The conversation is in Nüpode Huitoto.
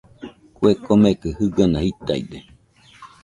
Kue komekɨ jɨgɨna jitaide.